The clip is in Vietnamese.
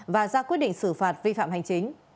và ra quyết định xử phạt vi phạm hành chính